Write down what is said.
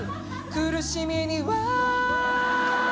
「苦しみには」